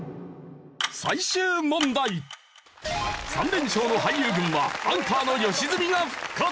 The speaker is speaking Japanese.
３連勝の俳優軍はアンカーの良純が復活！